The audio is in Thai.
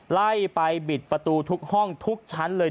ไล่ไปบิดประตูทุกห้องทุกชั้นเลย